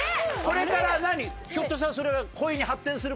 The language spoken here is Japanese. ひょっとしたらそれが。